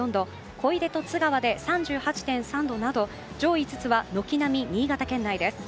小出と津川で３８．３度など上位５つは軒並み新潟県内です。